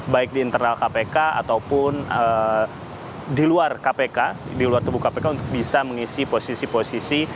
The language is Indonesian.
baik di internal kpk ataupun di luar kpk di luar tubuh kpk untuk bisa mengisi posisi posisi